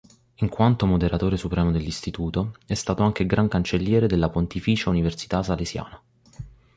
In quanto moderatore supremo dell'istituto, è stato anche Gran Cancelliere della Pontificia Università Salesiana.